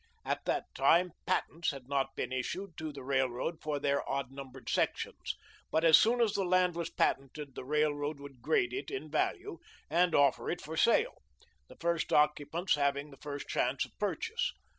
At that time patents had not been issued to the railroad for their odd numbered sections, but as soon as the land was patented the railroad would grade it in value and offer it for sale, the first occupants having the first chance of purchase.